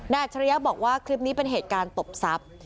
อัจฉริยะบอกว่าคลิปนี้เป็นเหตุการณ์ตบทรัพย์